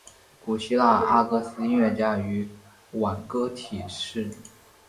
古希腊阿哥斯音乐家与挽歌体诗人。